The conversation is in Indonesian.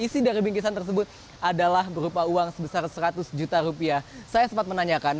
saya sempat menanyakan